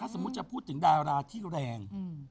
สมมุติจะพูดถึงดาราที่แรง